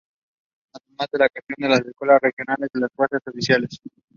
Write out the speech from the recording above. Además, se crearon las Escuelas Regionales de las Fuerzas Oficiales.